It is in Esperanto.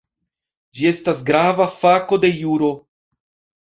Ĝi estas grava fako de juro.